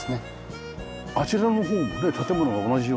あちらの方もね建物が同じような。